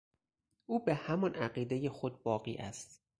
او به همان عقیدهٔ خود باقی است.